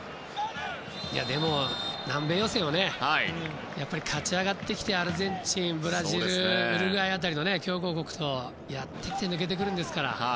でも、南米予選をやっぱり勝ち上がってきてアルゼンチン、ブラジルウルグアイ辺りの強豪国とやってきて抜けてくるんですから。